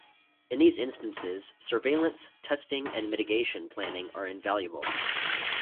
In these instances, surveillance, testing and mitigation planning are invaluable.